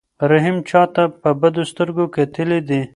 رحیم چاته په بدو سترګو کتلي دي؟